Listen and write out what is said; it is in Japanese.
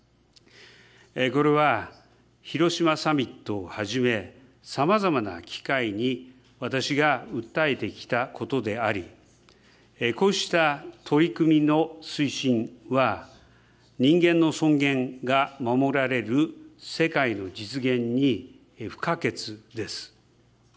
これは、広島サミットをはじめ、さまざまな機会に私が訴えてきたことであり、こうした取り組みの推進は、人間の尊厳が守られる世界の実現に不可欠です。